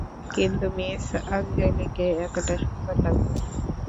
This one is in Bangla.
কিন্তু মিস আঞ্জলিকে এতটা সুন্দর লাগে না।